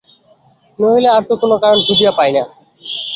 নহিলে আর তো কোনো কারণ খুঁজিয়া পাই না।